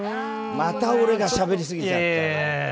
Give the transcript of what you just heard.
また俺がしゃべりすぎちゃった。